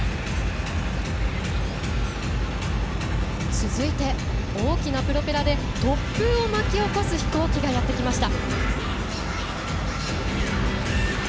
続いて、大きなプロペラで突風を巻き起こす飛行機がやってきました。